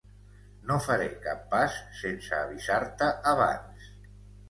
No faré cap pas sense avisar-te abans.